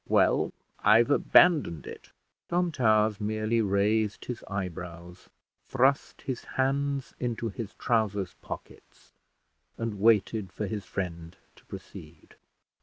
"Well, I've abandoned it." Tom Towers merely raised his eyebrows, thrust his hands into his trowsers pockets, and waited for his friend to proceed.